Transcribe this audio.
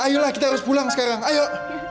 ayolah kita harus pulang sekarang ayo